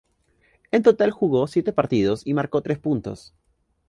En total jugó siete partidos y marcó tres puntos.